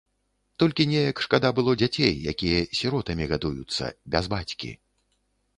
Толькі неяк шкада было дзяцей, якія сіротамі гадуюцца, без бацькі.